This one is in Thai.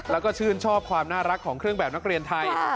แล้วก็ชื่นชอบความน่ารักของเครื่องแบบนักเรียนไทย